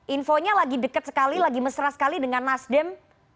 infonya lagi dekat sekali lagi mesra sekali dengan nasdem